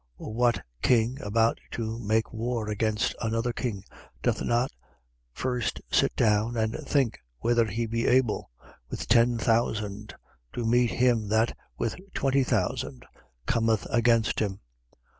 14:31. Or, what king, about to go to make war against another king, doth not first sit down and think whether he be able, with ten thousand, to meet him that, with twenty thousand, cometh against him?